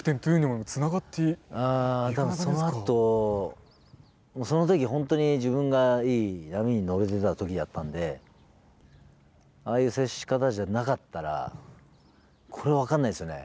あ多分そのあとその時本当に自分がいい波に乗れてた時だったんでああいう接し方じゃなかったらこれ分かんないですよね。